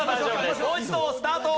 もう一度スタート。